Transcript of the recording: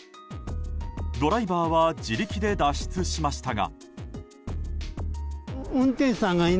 ドライバーは自力で脱出しましたが。